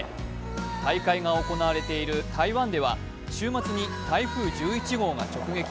大会が行われていた台湾では、週末に台風１１号が直撃。